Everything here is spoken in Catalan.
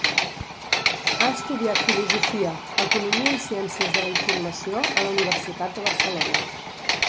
Ha estudiat Filosofia, Economia i Ciències de la Informació a la Universitat de Barcelona.